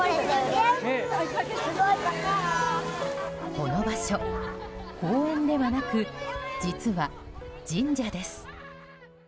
この場所、公園ではなく実は、神社です。